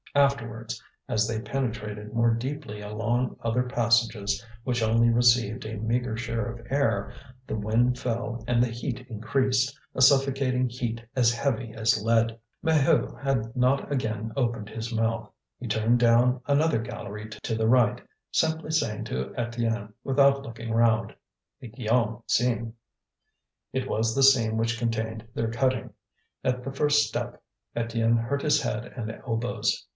Afterwards, as they penetrated more deeply along other passages which only received a meagre share of air, the wind fell and the heat increased, a suffocating heat as heavy as lead. Maheu had not again opened his mouth. He turned down another gallery to the right, simply saying to Étienne, without looking round: "The Guillaume seam." It was the seam which contained their cutting. At the first step, Étienne hurt his head and elbows.